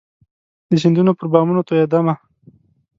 د سیندونو پر بامونو توئيدمه